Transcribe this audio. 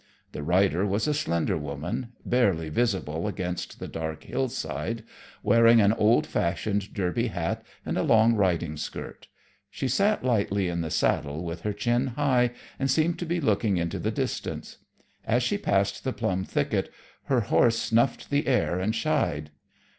The rider was a slender woman barely visible against the dark hillside wearing an old fashioned derby hat and a long riding skirt. She sat lightly in the saddle, with her chin high, and seemed to be looking into the distance. As she passed the plum thicket her horse snuffed the air and shied.